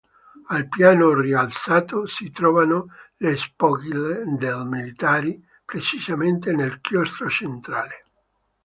Al piano rialzato, si trovano le spoglie dei militari, precisamente nel chiostro centrale.